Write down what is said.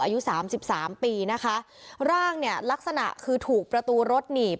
อายุสามสิบสามปีนะคะร่างเนี่ยลักษณะคือถูกประตูรถหนีบ